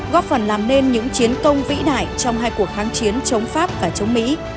góp phần làm nên những chiến công vĩ đại trong hai cuộc kháng chiến chống pháp và chống mỹ